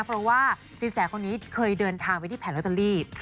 เพราะว่าสินแสคนนี้เคยเดินทางไปที่แผงลอตเตอรี่